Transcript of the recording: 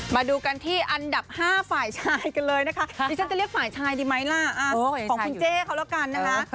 มาดูกันที่อันดับ๕ฝ่ายชายกันเลยนะคะดิฉันจะเรียกฝ่ายชายดีไหมล่ะของคุณเจ๊เขาแล้วกันนะคะ